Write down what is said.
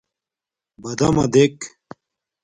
بَدَمݳ دݵک.